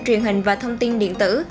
truyền hình và thông tin điện tử